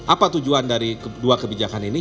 apa tujuan dari kedua kebijakan ini